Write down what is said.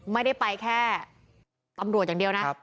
ไม่ได้ไปแค่ตำรวจอย่างเดียวนะ